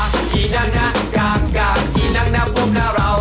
กากีนังน่ะกากกากกีนังน่ะพวกหน้าเรา